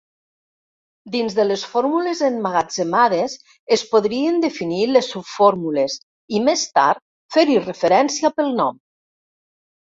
Dins de les fórmules emmagatzemades, es podrien definir les subfórmules i més tard fer-hi referència pel nom.